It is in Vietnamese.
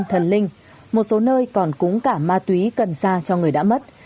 thần linh một số nơi còn cúng cả ma túy cần xa cho người đã mất